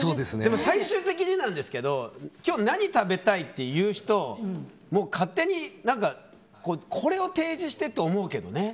最終的になんですけど今日、何食べたいっていう人勝手にこれを提示してって思うけどね。